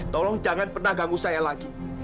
tolong jangan pernah ganggu saya lagi